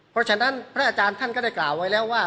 เพราะฉะนั้นพระอาจารย์ท่านก็ได้กล่าวไว้แล้วว่า